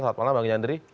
selamat malam bang yandri